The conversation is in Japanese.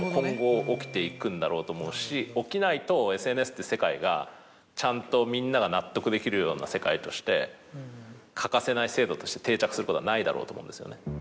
だろうと思うし起きないとＳＮＳって世界がちゃんとみんなが納得できるような世界として欠かせない制度として定着することはないだろうと思うんですよね。